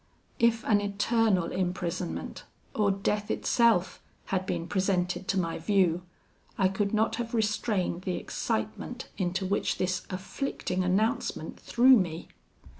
"If an eternal imprisonment, or death itself, had been presented to my view, I could not have restrained the excitement into which this afflicting announcement threw me.